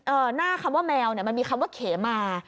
หน้าคำว่าแมวเนี่ยมันมีคำว่าเขมา